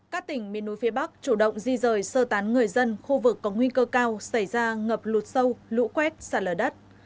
các tỉnh miền núi phía bắc chủ động di rời sơ tán người dân khu vực có nguy cơ cao xảy ra ngập lụt sâu lũ quét sạt lở đất